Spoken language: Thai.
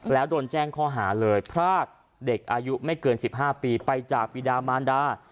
แล้วโดนแจ้งข้อหาเลยพรากเด็กอายุไม่เกิน๑๕ปีไปจากบิดามานดา